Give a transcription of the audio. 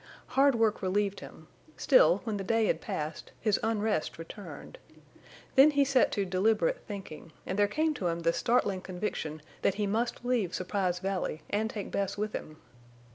Hard work relieved him; still, when the day had passed, his unrest returned. Then he set to deliberate thinking, and there came to him the startling conviction that he must leave Surprise Valley and take Bess with him.